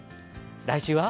来週は？